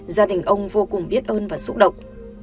gia đình ông vô cùng biết ơn và xúc động